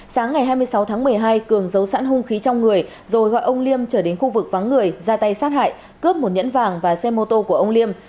sáng ngày hai mươi sáu tháng một mươi hai cường giấu sẵn hung khí trong người rồi gọi ông liêm trở đến khu vực vắng người ra tay sát hại cướp một nhẫn vàng và xe mô tô của ông liêm